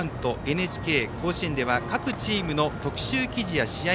「ＮＨＫ甲子園」では各チームの特集記事や試合